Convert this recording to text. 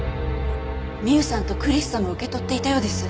ミウさんとクリスさんも受け取っていたようです。